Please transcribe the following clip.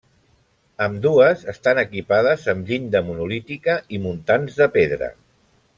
Ambdues estan equipades amb llinda monolítica i muntants de pedra.